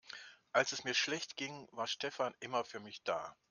Als es mir schlecht ging, war Stefan immer für mich da.